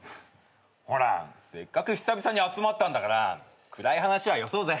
ほらせっかく久々に集まったんだから暗い話はよそうぜ。